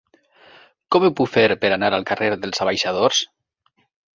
Com ho puc fer per anar al carrer dels Abaixadors?